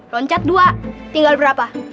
loncat dua tinggal berapa